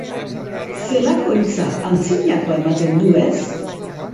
Zelako hitza, antzinakoa ematen du, ez?